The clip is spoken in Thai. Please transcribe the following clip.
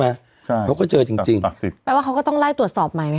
ใช่เขาก็เจอจริงจริงแปลว่าเขาก็ต้องไล่ตรวจสอบใหม่ไหม